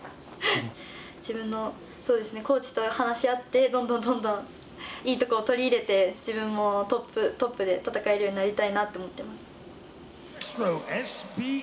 自分のコーチと話し合ってどんどん、どんどんいいところを取り入れて自分もトップで戦えるようになりたいなって思ってます。